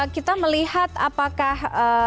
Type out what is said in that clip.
kita melihat apakah